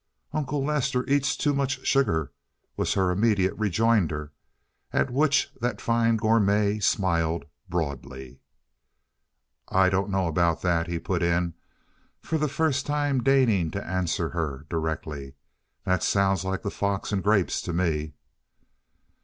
"Uncle Lester eats too much sugar," was her immediate rejoinder, at which that fine gourmet smiled broadly. "I don't know about that," he put in, for the first time deigning to answer her directly. "That sounds like the fox and grapes to me."